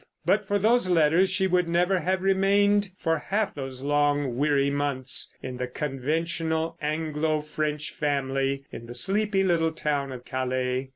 But for those letters she would never have remained for half those long, weary months in the conventional Anglo French family in the sleepy little town of Calais.